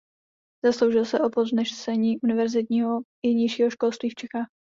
Zasloužil se o povznesení univerzitního i nižšího školství v Čechách.